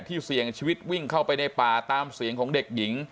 เสี่ยงชีวิตวิ่งเข้าไปในป่าตามเสียงของเด็กหญิง